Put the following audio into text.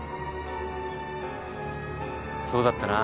そうだったな。